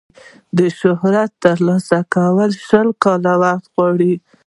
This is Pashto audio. د شهرت ترلاسه کول شل کاله وخت غواړي.